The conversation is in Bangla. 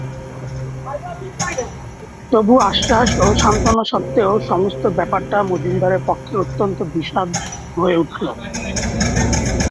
তবু আশ্বাস ও সান্ত্বনা সত্ত্বেও সমস্ত ব্যাপারটা মজুমদারের পক্ষে অত্যন্ত বিস্বাদ হয়ে উঠল।